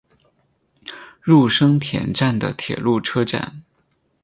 入生田站的铁路车站。